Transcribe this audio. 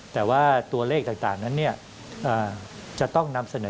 แต่ว่าตัวเลขต่างนั้นจะต้องนำเสนอ